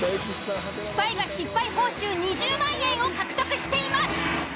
スパイが失敗報酬２０万円を獲得しています。